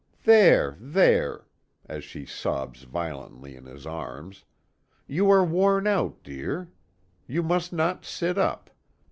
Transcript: There there," as she sobs violently in his arms; "you are worn out, dear. You must not sit up.